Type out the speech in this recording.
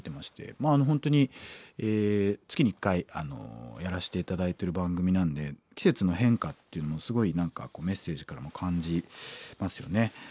まああの本当に月に１回やらして頂いてる番組なんで季節の変化っていうのもすごい何かメッセージからも感じますよね。